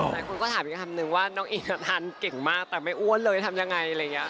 แต่คุณก็ถามอีกคำหนึ่งว่าน้องอินอะทานเก่งมากแต่ไม่อ้วนเลยทำยังไง